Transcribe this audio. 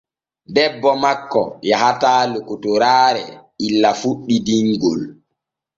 Debbo makko yahataa lokotoraare illa fuɗɗi dinŋol.